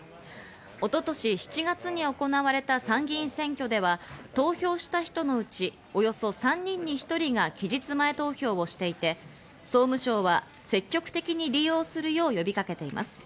一昨年７月に行われた参議院選挙では、投票した人のうち、およそ３人に１人が期日前投票をしていて、総務省は積極的に利用するよう呼びかけています。